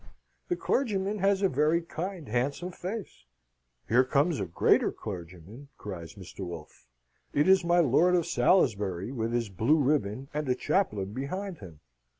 "The clergyman has a very kind, handsome face." "Here comes a greater clergyman," cries Mr. Wolfe. "It is my Lord of Salisbury, with his blue ribbon, and a chaplain behind him."